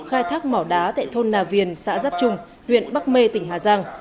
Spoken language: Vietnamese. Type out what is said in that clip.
khai thác mỏ đá tại thôn nà viền xã giáp trung huyện bắc mê tỉnh hà giang